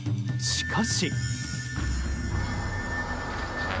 しかし。